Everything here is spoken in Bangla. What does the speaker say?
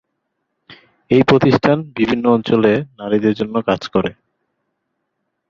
এই প্রতিষ্ঠান বিভিন্ন অঞ্চলে নারীদের জন্য কাজ করে।